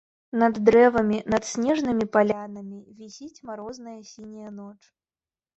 Над дрэвамі, над снежнымі палянамі вісіць марозная сіняя ноч.